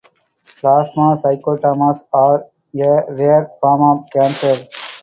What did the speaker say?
Plasmacytomas are a rare form of cancer.